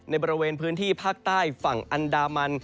บริเวณพื้นที่ภาคใต้ฝั่งอันดามัน